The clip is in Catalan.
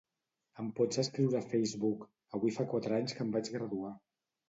Em pots escriure a Facebook "avui fa quatre anys que em vaig graduar"?